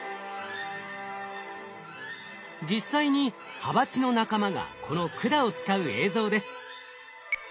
実際にハバチの仲間がこの管を使う映像です。